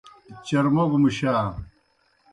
ڇوموگوْ مُشا۔